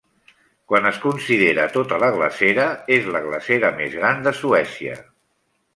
Quan es considera tota la glacera, és la glacera més gran de Suècia.